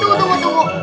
tunggu tunggu tunggu